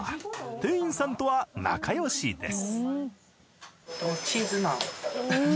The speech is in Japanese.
店員さんとは仲よしです。